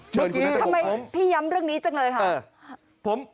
เชิญคุณนัทครับทำไมพี่ย้ำเรื่องนี้จังเลยค่ะ